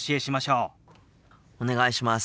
お願いします。